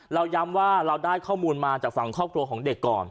เราย้ำว่าเราได้ข้อมูลมาจากฝั่งครอบครัวของเด็กก่อน